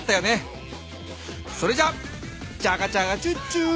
それじゃあチャガチャガチュチュー！